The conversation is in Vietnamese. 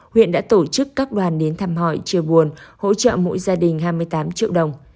huyện đã tổ chức các đoàn đến thăm hỏi chia buồn hỗ trợ mỗi gia đình hai mươi tám triệu đồng